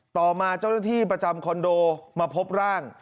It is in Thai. ต่อมาเจ้าหน้าที่ประจำคอนโดมาพบร่าง